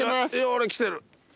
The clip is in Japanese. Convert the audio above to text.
俺きてる！